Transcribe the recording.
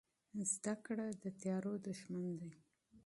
علم د تیارو دښمن دی.